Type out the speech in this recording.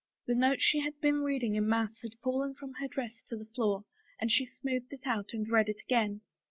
The note she had been reading in mass had fallen from her dress to the floor and she smoothed it out and read it again.